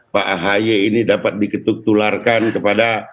pak ahy ini dapat diketuk tularkan kepada